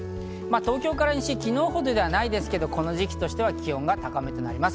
東京から西、昨日ほどではないですが、この時期としては気温が高めとなります。